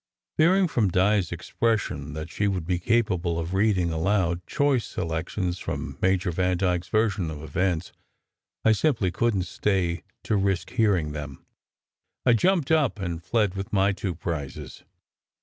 Fearing from Di s expression that she would be capable of reading aloud choice selections from Major Van dyke s version of events, I simply couldn t stay to risk hearing them. I jumped up and fled with my two prizes.